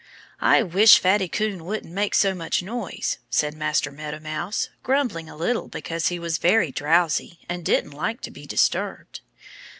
"I wish Fatty Coon wouldn't make so much noise," said Master Meadow Mouse, grumbling a little because he was very drowsy and didn't like to be disturbed.